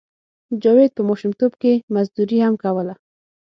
جاوید په ماشومتوب کې مزدوري هم کوله